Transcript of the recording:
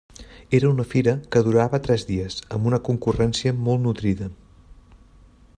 Era una fira que durava tres dies, amb una concurrència molt nodrida.